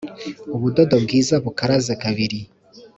ubudodo bwiza bukaraze kabiri